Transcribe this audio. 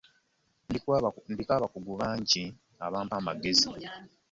Ndiko abakugu bangi abampa amagezi.